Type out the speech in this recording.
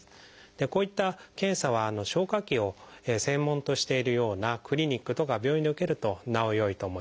こういった検査は消化器を専門としているようなクリニックとか病院で受けるとなおよいと思います。